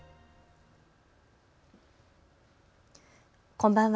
こんばんは。